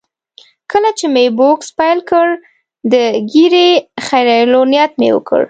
کله چې مې بوکس پیل کړ، د ږیرې خریلو نیت مې وکړ.